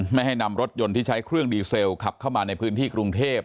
ไม่ให้นำรถยนต์ที่ใช้เครื่องดีเซลขับเข้ามาในพื้นที่กรุงเทพ